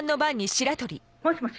もしもし？